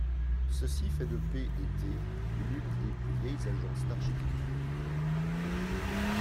Ceci fait de P & T l'une des plus vieilles agences d'architecture du monde.